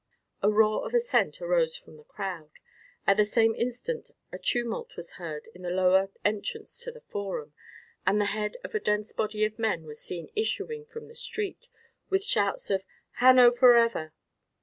A roar of assent arose from the crowd. At the same instant a tumult was heard at the lower entrance to the forum, and the head of a dense body of men was seen issuing from the street, with shouts of "Hanno forever!"